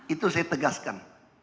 itu saya tegaskan